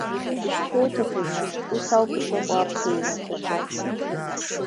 Ишԥоуҭахыз нас, ус ауп ишыҟоу аԥсуа иҩнаҭаҿы.